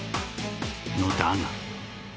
のだが。